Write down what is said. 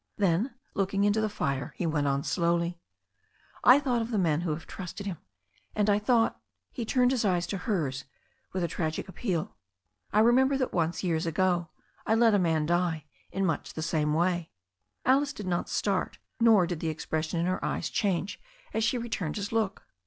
Then looking into the fire, he went on slowly, "I thought of the men who have trusted him, and I thought" — ^he turned his eyes to hers with a tragic appeal — "I remembered that once, years ago, I let a man die in much the same way." Alice did not start, nor did the expression in her eyes change as she returned his look.